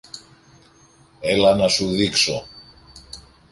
Έλα να σου δείξω.